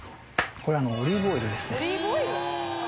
これはオリーブオイルですね。